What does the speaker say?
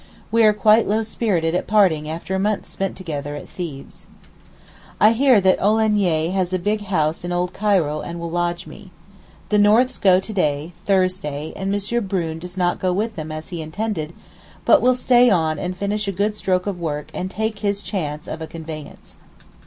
We are quite low spirited at parting after a month spent together at Thebes. I hear that Olagnier has a big house in Old Cairo and will lodge me. The Norths go to day (Thursday) and M. Brune does not go with them as he intended, but will stay on and finish a good stroke of work and take his chance of a conveyance.